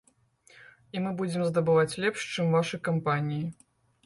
І мы будзем здабываць лепш, чым вашы кампаніі.